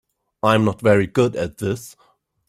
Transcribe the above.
I'm not very good at this.